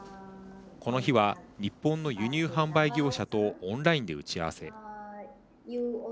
この日は、日本の輸入販売業者とオンラインで打ち合わせ。